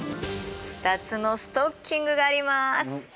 ２つのストッキングがあります。